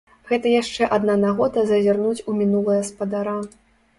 Гэта яшчэ адна нагода зазірнуць у мінулае спадара.